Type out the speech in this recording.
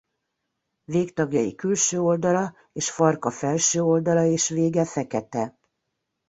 Végtagjai külső oldala és farka felső oldala és vége fekete.